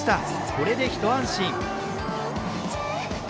これでひと安心。